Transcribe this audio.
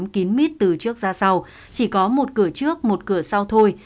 bốn kín mít từ trước ra sau chỉ có một cửa trước một cửa sau thôi